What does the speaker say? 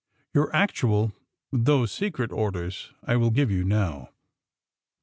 *'Yonr actnal, though secret orders, I will give you, now."